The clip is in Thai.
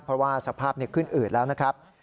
เพราะว่าสภาพขึ้นอืดแล้วนะครับ